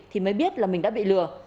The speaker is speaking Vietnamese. thì mới biết là mình đã bị lừa